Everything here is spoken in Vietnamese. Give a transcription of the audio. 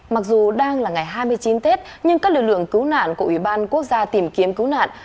mặc dù đang là ngày hai mươi chín tết nhưng các lực lượng cứu nạn của ủy ban quốc gia tìm kiếm cứu nạn